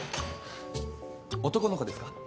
男の子ですか？